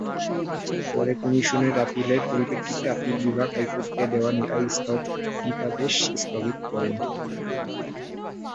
পরে কমিশনের আপিলের পরিপ্রেক্ষিতে আপিল বিভাগ হাইকোর্টের দেওয়া স্থগিতাদেশ স্থগিত করেন।